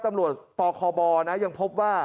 ตำรวจปคบยังพบว่า